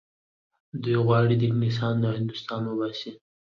دوی غواړي انګلیسیان له هندوستانه وباسي.